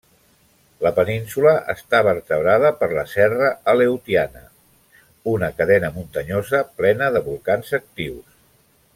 La península està vertebrada per la serra Aleutiana, una cadena muntanyosa plena de volcans actius.